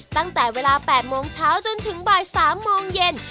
ตั้งแต่เวลา๘โมงเช้าจนถึงบ่าย๓โมงเย็น